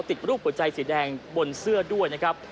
ติดรูปหัวใจสีแดงบนเสื้อด้วยนะครับ